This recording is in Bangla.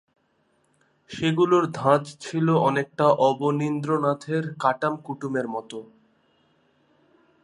সেগুলোর ধাঁচ ছিল অনেকটা অবনীন্দ্রনাথের কাটাম কুটুমের মতো।